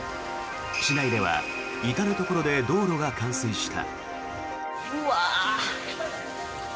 市内では至るところで道路が冠水した。